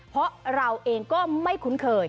เพราะเราเองก็ไม่คุ้นเคย